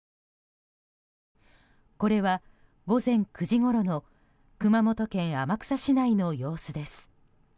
これは午前９時ごろの熊本県天草市内の様子です。